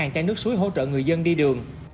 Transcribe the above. hai chai nước suối hỗ trợ người dân đi đường